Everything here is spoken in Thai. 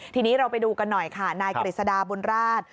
ทีนี้เราไปดูกันหน่อยค่ะนายกฤษฎาบุญราช